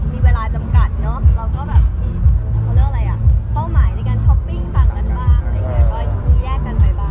ไม่ได้เป็นอย่างนี้แล้วค่ะเป็นแบบ